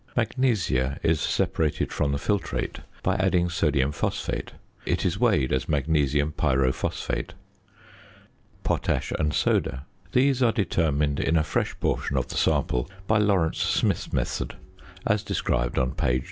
~Magnesia~ is separated from the filtrate by adding sodium phosphate. It is weighed as magnesium pyrophosphate. ~Potash and Soda.~ These are determined in a fresh portion of the sample by Lawrence Smith's method, as described on page 333.